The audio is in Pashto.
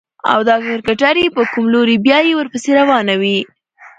او چې دا کرکټر يې په کوم لوري بيايي ورپسې روانه وي.